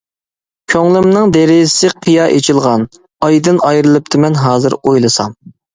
كۆڭلۈمنىڭ دېرىزىسى قىيا ئېچىلغان، ئايدىن ئايرىلىپتىمەن ھازىر ئويلىسام.